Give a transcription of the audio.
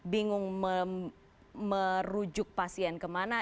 bingung merujuk pasien kemana